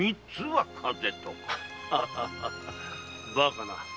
バカな。